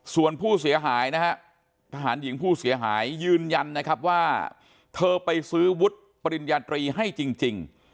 ส่วนผู้เสียหายนะฮะทหารหญิงผู้เสียหายยืนยันนะครับว่าเธอไปซื้อวุฒิปริญญาตรีให้จริง